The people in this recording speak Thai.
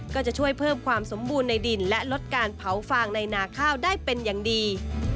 ก็จะช่วยเพิ่มความสมบูรณ์ในดินและลดการเผาฟางในนาข้าวได้เป็นอย่างดี